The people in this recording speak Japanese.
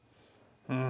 うん。